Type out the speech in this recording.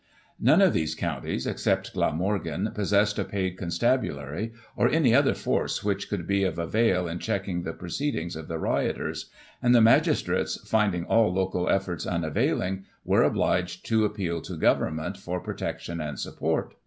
None of these counties, except Glamorgan, possessed a paid constabulary, or any other force which could be of avail in checking the proceedings of the rioters ; and the magistrates finding all local efforts unavailing, were obliged to appeal to Government for protection and support.